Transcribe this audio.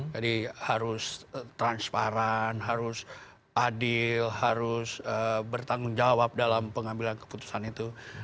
jadi harus transparan harus adil harus bertanggung jawab dalam pengambilan keputusan itu